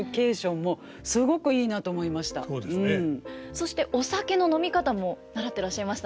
そしてお酒の飲み方も習ってらっしゃいましたね。